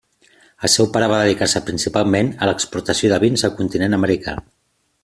El seu pare va dedicar-se principalment a l’exportació de vins al continent americà.